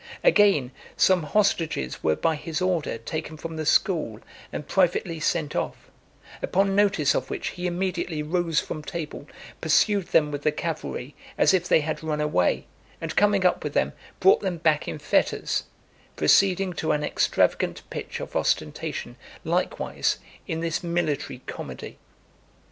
Again, some hostages were by his order taken from the school, and privately sent off; upon notice of which he immediately rose from table, pursued them with the cavalry, as if they had run away, and coming up with them, brought them back in fetters; proceeding to an extravagant pitch of ostentation likewise in this military comedy.